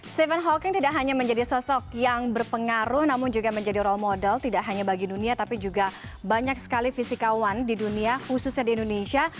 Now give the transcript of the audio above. stephen hawking tidak hanya menjadi sosok yang berpengaruh namun juga menjadi role model tidak hanya bagi dunia tapi juga banyak sekali fisikawan di dunia khususnya di indonesia